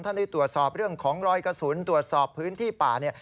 ได้ตรวจสอบเรื่องของรอยกระสุนตรวจสอบพื้นที่ป่าเนี่ย